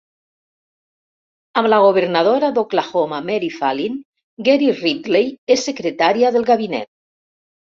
Amb la governadora d'Oklahoma Mary Fallin, Gary Ridley és secretària del gabinet.